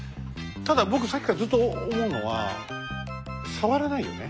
ただ僕さっきからずっと思うのは触らないよね。